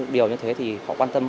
điều như thế thì họ quan tâm